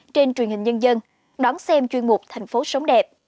trên truyền hình nhân dân đón xem chuyên mục thành phố sống đẹp